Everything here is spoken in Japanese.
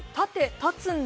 立つんだ！